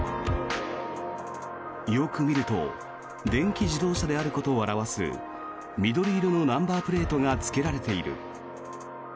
よく見ると電気自動車であることを表す緑色のナンバープレートがつけられている。